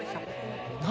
何？